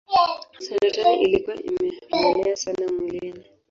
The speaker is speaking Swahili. Saratani ilikuwa imemuenea sana mwilini.